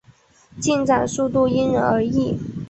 进展速度因人而异。